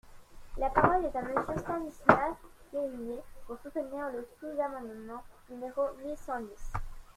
La parole est à Monsieur Stanislas Guerini, pour soutenir le sous-amendement numéro mille cent dix.